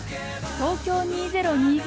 東京２０２０